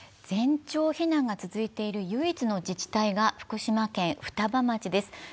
全町避難が続いている唯一の自治体が福島県双葉町です。